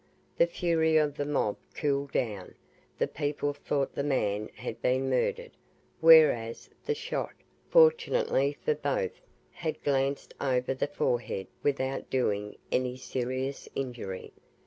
The fury of the mob cooled down; the people thought the man had been murdered, whereas the shot, fortunately for both, had glanced over the forehead without doing any serious injury.